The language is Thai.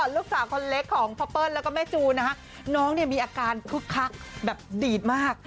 ลูกสาวคนเล็กของพ่อเปิ้ลแล้วก็แม่จูนนะคะน้องเนี่ยมีอาการคึกคักแบบดีดมาก